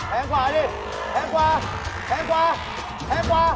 แพงกว่าดิแพงกว่าแพงกว่าแพงกว่า